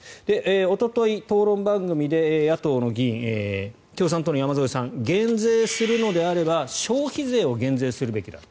おととい、討論番組で野党の議員共産党の山添さん減税するのであれば消費税を減税するべきだ。